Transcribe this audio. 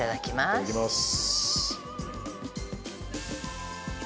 いただきます。